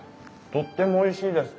とってもおいしいです。